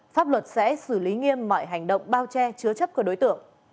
pháp luật sẽ xử lý nghiêm mọi hành động bao che chứa chấp của đối tượng